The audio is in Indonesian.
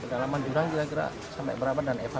kedalaman jurang kira kira sampai berapa dan eva